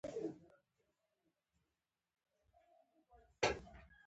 ما د مور د لیدو په امید ځان وژنه ونکړه